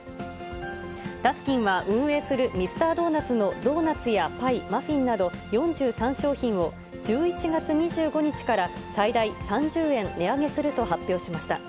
ダスキンは、運営するミスタードーナツのドーナツやパイ、マフィンなど４３商品を、１１月２５日から最大３０円値上げすると発表しました。